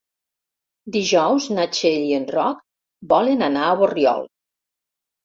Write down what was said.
Dijous na Txell i en Roc volen anar a Borriol.